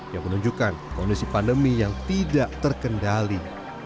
yang menunjukkan kondisi pandemi yang tidak terkendali